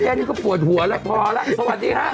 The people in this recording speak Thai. โอ้โฮนี่ก็ปวดหัวแล้วพอแล้วสวัสดีครับ